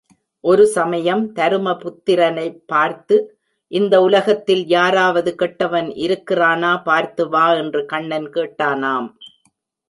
ஒரு சமயம் தருமபுத்திரனைப் பார்த்து, இந்த உலகத்தில் யாராவது கெட்டவன் இருக்கிறானா, பார்த்து வா என்று கண்ணன் கேட்டானாம்.